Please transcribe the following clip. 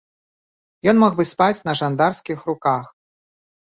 Ён мог бы спаць на жандарскіх руках.